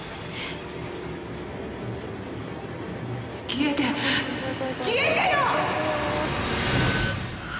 消えて消えてよ！